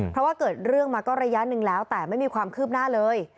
เพราะว่าเกิดเรื่องมาก็ระยะหนึ่งแล้วแต่ไม่มีความคืบหน้าเลย